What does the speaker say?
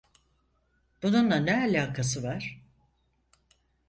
Bununla ne alakası var?